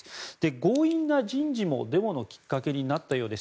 強引な人事も、デモのきっかけになったようです。